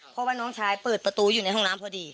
เพราะว่าน้องชายเปิดประตูอยู่ในห้องน้ำพอดี